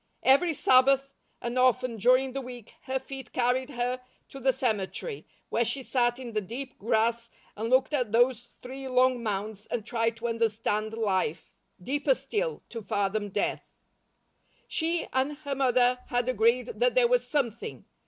Every Sabbath, and often during the week, her feet carried her to the cemetery, where she sat in the deep grass and looked at those three long mounds and tried to understand life; deeper still, to fathom death. She and her mother had agreed that there was "something."